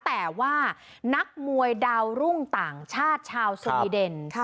แต่ว่านักมวยดาวรุ่งต่างชาติชาวสวีเดน